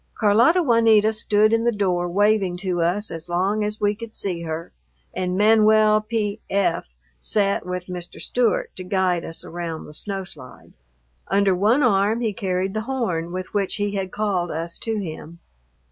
Carlota Juanita stood in the door, waving to us as long as we could see her, and Manuel P.F. sat with Mr. Stewart to guide us around the snow slide. Under one arm he carried the horn with which he had called us to him.